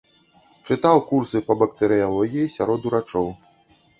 Чытаў курсы па бактэрыялогіі сярод урачоў.